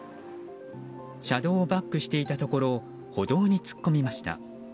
車道をバックしていたところ歩道に突っ込みました。